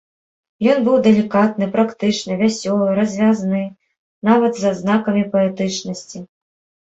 Ён быў далікатны, практычны, вясёлы, развязны, нават з адзнакамі паэтычнасці.